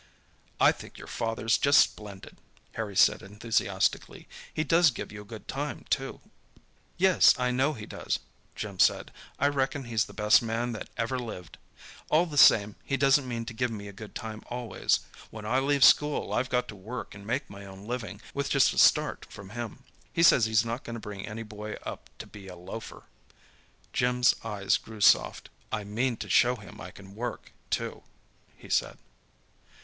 "I think your father's just splendid," Harry said enthusiastically. "He does give you a good time, too." "Yes, I know he does," Jim said. "I reckon he's the best man that ever lived! All the same, he doesn't mean to give me a good time always. When I leave school I've got to work and make my own living, with just a start from him. He says he's not going to bring any boy up to be a loafer." Jim's eyes grew soft. "I mean to show him I can work, too," he said.